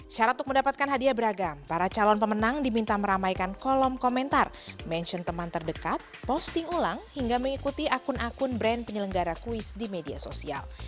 syarat untuk mendapatkan hadiah beragam para calon pemenang diminta meramaikan kolom komentar mention teman terdekat posting ulang hingga mengikuti akun akun brand penyelenggara kuis di media sosial